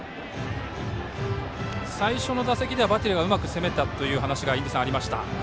最初の打席ではバッテリーがうまく攻めたというお話がありました。